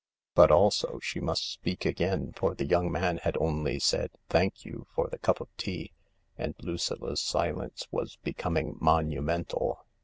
But also she must speak again, for the young man had only said, " Thank you," for the cup of tea, and Lucilla's silence was becoming monumental.